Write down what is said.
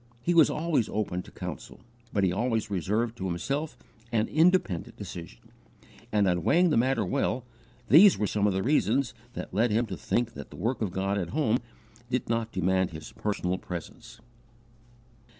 He was always open to counsel, but he always reserved to himself an independent decision; and, on weighing the matter well, these were some of the reasons that led him to think that the work of God at home did not demand his personal presence: 1.